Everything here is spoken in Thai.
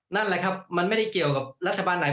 นั่นแหละครับมันไม่ได้เกี่ยวกับรัฐบาลไหน